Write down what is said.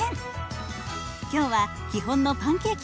今日は基本のパンケーキを作ります。